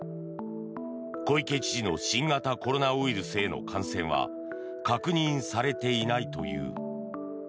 小池知事の新型コロナウイルスへの感染は確認されていないという。